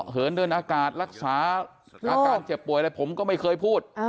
เหินเดินอากาศรักษาอาการเจ็บป่วยอะไรผมก็ไม่เคยพูด